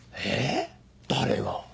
え誰が？